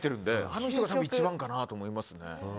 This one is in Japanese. あの人が一番かなと思いますね。